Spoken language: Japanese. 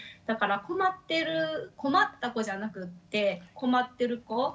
だから困ってる「困った子」じゃなくって「困ってる子」。